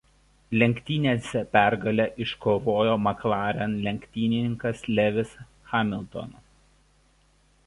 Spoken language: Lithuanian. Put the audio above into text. Lenktynėse pergalę iškovojo McLaren lenktynininkas Lewis Hamilton.